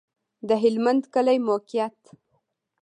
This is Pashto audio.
د هلمند کلی موقعیت